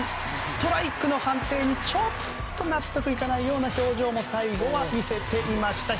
ストライクの判定にちょっと納得いかないような表情も最後は見せていました。